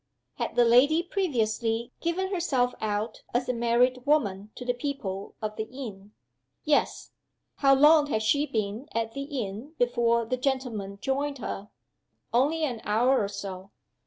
Had the lady previously given herself out as a married woman to the people of the inn?" "Yes." "How long had she been at the inn before the gentleman joined her?" "Only an hour or so."